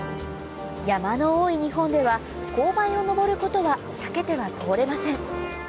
山の多い日本では勾配を上ることは避けては通れません